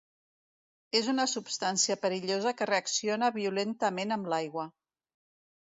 És una substància perillosa que reacciona violentament amb l'aigua.